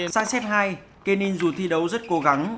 sai set hai kenin dù thi đấu rất cố gắng